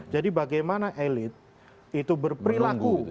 jadi bagaimana elit itu berperilaku